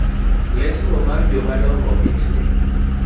Lesno mar jomadongo mit ndi